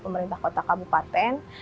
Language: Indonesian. pemerintah kota kabupaten